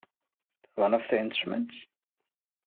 One of the instruments?